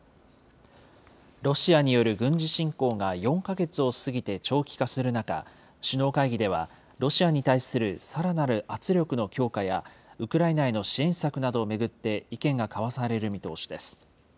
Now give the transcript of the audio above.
ロシアによる軍事侵攻が４か月を過ぎて長期化する中、首脳会議では、ロシアに対するさらなる圧力の強化や、ウクライナへの支援策などを巡って意見が交わされる見通しです。